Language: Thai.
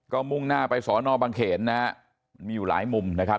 ก็มุ่งหน้าไปสอนอบังเขนนะฮะมีอยู่หลายมุมนะครับ